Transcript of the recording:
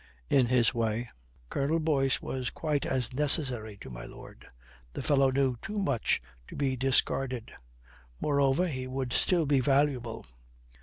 In his way, Colonel Boyce was quite as necessary to my lord. The fellow knew too much to be discarded. Moreover, he would still be valuable.